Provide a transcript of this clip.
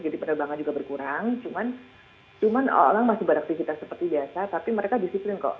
orang orang juga berkurang cuman orang masih beraktivitas seperti biasa tapi mereka disiplin kok